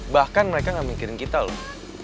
bahkan mereka gak mikirin kita loh